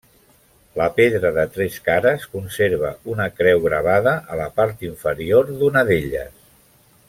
La pedra de tres cares, conserva una creu gravada a la part inferior d'una d'elles.